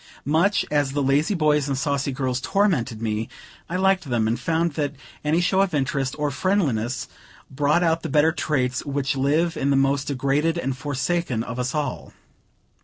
Much as the lazy boys and saucy girls tormented me, I liked them, and found that any show of interest or friendliness brought out the better traits which live in the most degraded and forsaken of us all.